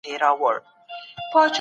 ایا تاسو د خپل مسلک څخه خوښ یاست؟